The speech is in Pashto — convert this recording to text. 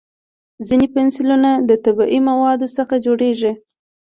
ځینې پنسلونه د طبیعي موادو څخه جوړېږي.